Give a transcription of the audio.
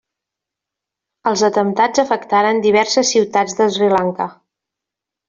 Els atemptats afectaren diverses ciutats de Sri Lanka.